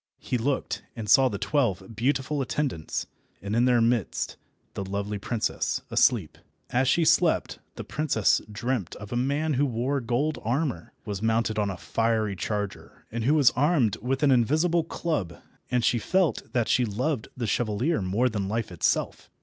He looked, and saw the twelve beautiful attendants, and in their midst the lovely princess, asleep. As she slept the princess dreamt of a man who wore gold armour, was mounted on a fiery charger, and who was armed with an invisible club, and she felt that she loved the chevalier more than life itself.